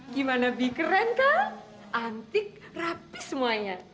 gimana bi keren kah antik rapi semuanya